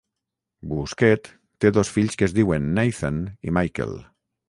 Bousquet té dos fills que es diuen Nathan i Michael.